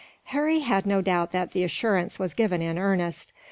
Harry had no doubt that the assurance was given in earnest.